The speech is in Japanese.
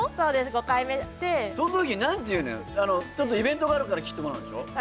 ５回目でちょっとイベントがあるから切ってもらうんでしょ？